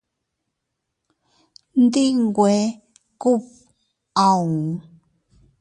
Ndi nwe kub auu.